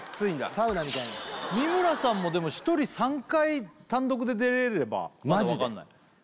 サウナみたいな三村さんもでも１人３回単独で出れればまだわかんないマジで？